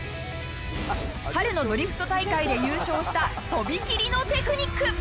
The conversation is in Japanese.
春のドリフト大会で優勝したとびきりのテクニック！